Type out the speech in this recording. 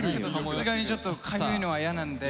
さすがにちょっとかゆいのは嫌なんで。